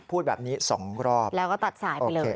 พูดแบบนี้๒รอบแล้วก็ตัดสายไปเลย